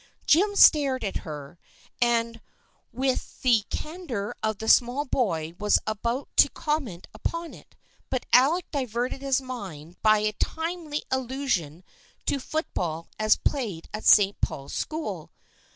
Jim stared at her, and with the candor of the small boy was about to comment upon it, but Alec diverted his mind by a timely allusion to football as played at St. Paul's School.